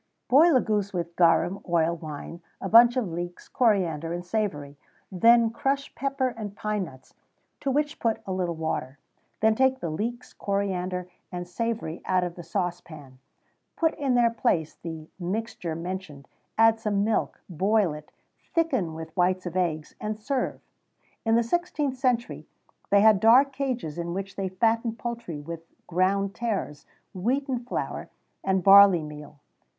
_ Boil a goose with garum, oil, wine, a bunch of leeks, coriander, and savory; then crush pepper and pine nuts, to which put a little water. Then take the leeks, coriander, and savory out of the saucepan; put in their place the mixture mentioned, add some milk, boil it, thicken with whites of eggs, and serve.[XVII 79] In the sixteenth century they had dark cages, in which they fattened poultry with ground tares, wheaten flour, and barley meal.